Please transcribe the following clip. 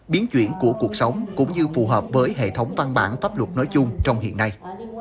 biến chuyển của cuộc sống cũng như phù hợp với hệ thống văn bản pháp luật nói chung trong hiện nay